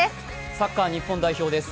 サッカー日本代表です。